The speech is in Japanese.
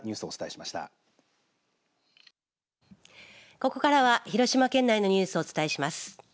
ここからは広島県内のニュースをお伝えします。